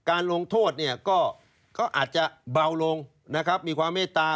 ลงโทษเนี่ยก็อาจจะเบาลงนะครับมีความเมตตา